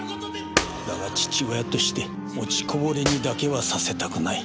だが父親として落ちこぼれにだけはさせたくない。